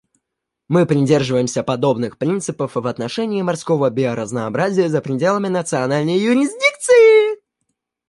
Мы придерживаемся подобных принципов и в отношении морского биоразнообразия за пределами национальной юрисдикции.